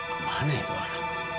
kemana itu orang